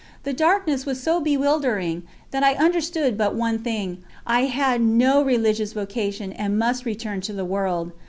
The darkness was so bewildering that I understood but one thing I had no religious vocation, and must return to the world.